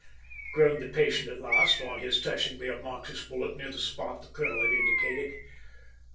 groaned his patient at last, on his touching the obnoxious bullet near the spot the colonel had indicated.